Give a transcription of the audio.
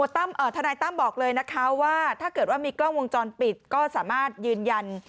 ทนายตั้มบอกเลยนะคะว่าถ้าเกิดว่ามีกล้องวงจรปิดก็สามารถยืนยัน